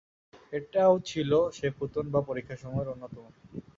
এটাও ছিল সে ফুতুন বা পরীক্ষাসমূহের অন্যতম।